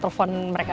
ketawa yang salah